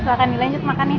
silahkan nih lanjut makan ya